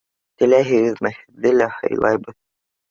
Теләйһегеҙме, һеҙҙе лә һыйлайбыҙ!